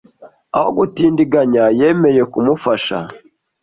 Aho gutindiganya, yemeye kumfasha.